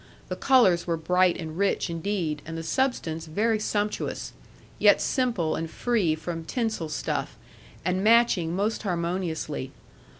The colours were bright and rich indeed, and the substance very sumptuous, yet simple and free from tinsel stuff, and matching most harmoniously.